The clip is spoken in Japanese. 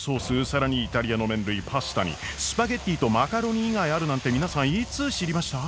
更にイタリアの麺類パスタにスパゲッティとマカロニ以外あるなんて皆さんいつ知りました？